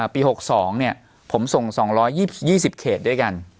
ปี๖๒ผมส่ง๒๒๐เขตด้วยกัน